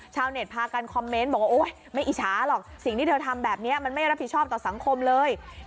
ชาวเน็ตพากันคอมเมนต์บอกว่าโอ๊ยไม่อิจฉาหรอกสิ่งที่เธอทำแบบนี้มันไม่รับผิดชอบต่อสังคมเลย